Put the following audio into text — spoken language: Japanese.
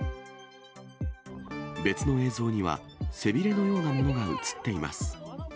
別の映像には、背びれのようなものが写っています。